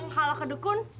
kalo ke dukun